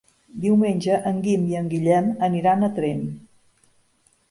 Diumenge en Guim i en Guillem aniran a Tremp.